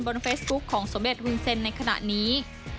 เฟซบุ๊คของสมเด็จวุนเซ็นในขณะนี้